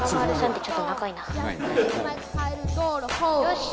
よし！